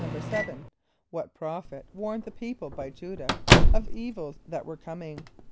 = =7.= What prophet warned the people by J[=u]´dah of evils that were coming?